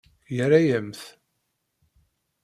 Yerra-yam-t.